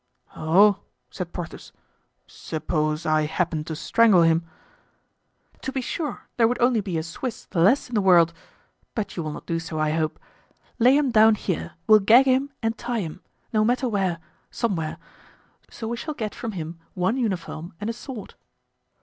"Oh!" said Porthos. "Suppose I happen to strangle him?" "To be sure there would only be a Swiss the less in the world; but you will not do so, I hope. Lay him down here; we'll gag him and tie him—no matter where—somewhere. So we shall get from him one uniform and a sword."